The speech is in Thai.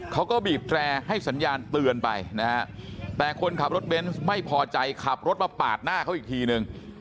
เขาก็บีบแตรให้สัญญาณเตือนไปนะฮะแต่คนขับรถเบนส์ไม่พอใจขับรถมาปาดหน้าเขาอีกทีนึง